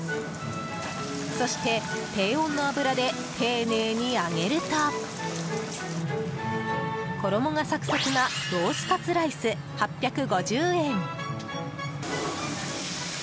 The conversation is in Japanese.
そして低温の油で丁寧に揚げると衣がサクサクなロースカツライス、８５０円。